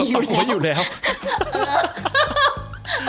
เรามีอีกครั้ง